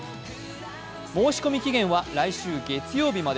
申込期限は来週月曜日まで。